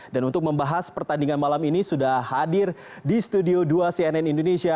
dan untuk membahas pertandingan malam ini sudah hadir di studio dua cnn indonesia